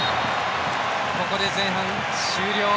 ここで前半終了。